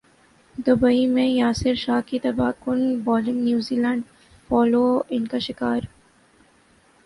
Dubai میں یاسر شاہ کی تباہ کن bowling New Zealand follow on کا شکار